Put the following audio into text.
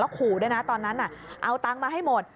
ขู่ด้วยนะตอนนั้นเอาตังค์มาให้หมด